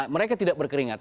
mereka tidak berkeringat